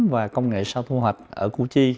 và công nghệ sao thu hoạch ở củ chi